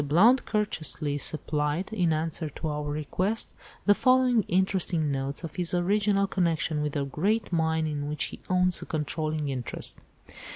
Blount courteously supplied, in answer to our request, the following interesting notes of his original connection with the great mine in which he owns a controlling interest.